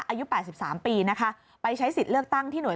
อายุ๘๓ปีนะคะไปใช้สิทธิ์เลือกตั้งที่ห่วย